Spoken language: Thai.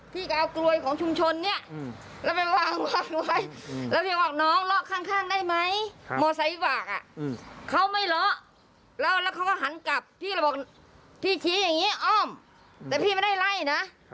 พี่ชี้อย่างงี้อ้อมแต่พี่ไม่ได้ไล่นะ